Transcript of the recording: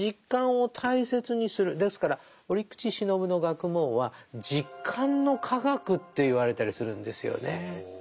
ですから折口信夫の学問は「実感の科学」って言われたりするんですよね。